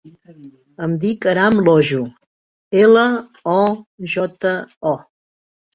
Em dic Aram Lojo: ela, o, jota, o.